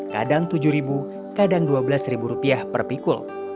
kadang tujuh kadang dua belas rupiah per pikul